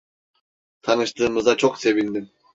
Tanıştığımıza çok sevindim.